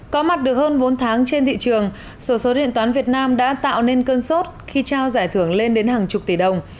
có mặt được hơn bốn tháng trên thị trường số số điện toán việt nam đã tạo nên cơn sốt khi trao giải thưởng lên đến hàng chục tỷ đồng